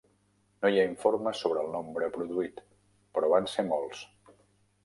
No hi ha informes sobre el nombre produït, però van ser molts.